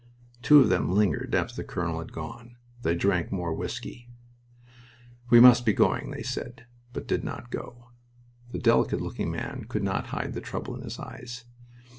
Two of them lingered after the colonel had gone. They drank more whisky. "We must be going," they said, but did not go. The delicate looking man could not hide the trouble in his eyes.